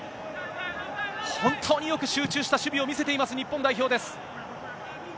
本当によく集中した守備を見せています、日本代表です。